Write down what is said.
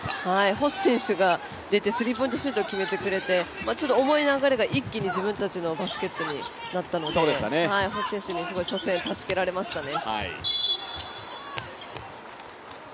星選手が出てスリーポイントシュートを決めてくれてちょっと重い流れが一気に自分たちのバスケットになったので星選手にすごい初戦は助けられましたね。